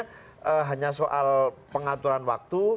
itu bukan hanya soal pengaturan waktu